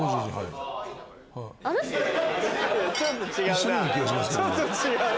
一緒のような気がしますけどね。